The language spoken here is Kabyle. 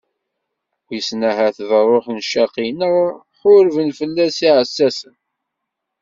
Wisen ahat d ṛṛuḥ ccaqi neɣ ḥurben fell-as yiɛessasen.